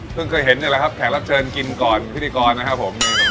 เพิ่งเคยเห็นเลยนะครับแขกรับเชิญกินก่อนพิธีกรนะครับผม